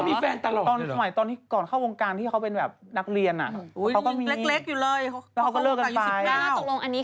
มีแค่นี้มันมีแค่นี้ดูเจมส์จี้